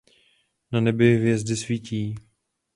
Na nebi hvězdy svítí.